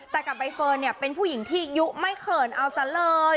แต่กับใบเฟิร์นเนี่ยเป็นผู้หญิงที่ยุไม่เขินเอาซะเลย